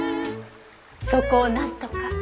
そこをなんとか。